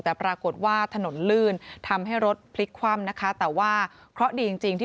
แต่ปรากฏว่าถนนลื่นทำให้รถพลิกคว่ำนะคะแต่ว่าเคราะห์ดีจริงจริงที่